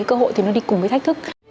cơ hội thì nó đi cùng với thách thức